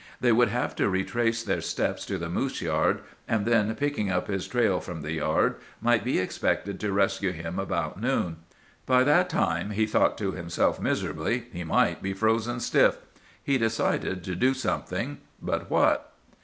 "They would have to retrace their steps to the moose yard, and then, picking up his trail from the yard, might be expected to rescue him about noon. By that time, he thought to himself miserably, he might be frozen stiff. He decided to do something! But what?